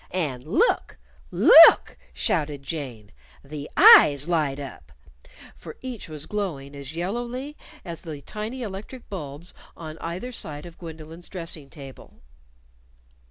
"And look! Look!" shouted Jane "The eyes light up" For each was glowing as yellowly as the tiny electric bulbs on either side of Gwendolyn's dressing table.